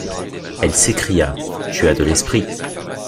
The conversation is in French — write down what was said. Elle s’écria: — Tu as de l’esprit.